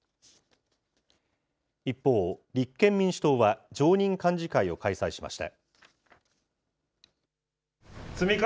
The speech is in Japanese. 一方、立憲民主党は常任幹事会を開催しました。